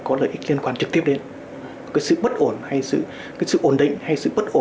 có lợi ích liên quan trực tiếp đến đấy